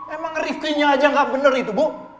emang rifqinya aja yang gak bener itu bu